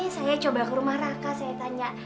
saya coba ke rumah raka saya tanya